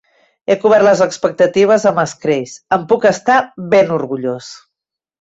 He cobert les expectatives amb escreix. En puc estar ben orgullós!